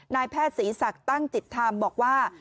นายแพทย์ศรีศักดิ์ตั้งจิตธรรมบอกว่า